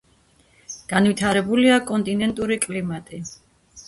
განვითარებულია კონტინენტური კლიმატი.